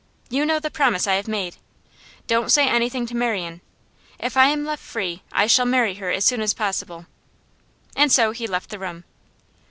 You know the promise I have made. Don't say anything to Marian; if I am left free I shall marry her as soon as possible.' And so he left the room.